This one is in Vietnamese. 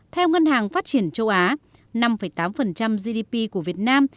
theo ngân hàng phát triển châu á năm tám gdp của việt nam